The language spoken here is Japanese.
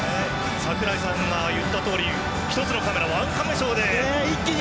櫻井さんが言ったとおり１つのカメラ、ワンカメショーで。